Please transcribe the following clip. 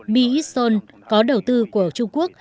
mi yisong có đầu tư của trung quốc